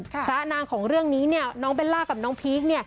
พระนางของเรื่องนี้น้องเบลล่ากับน้องพีค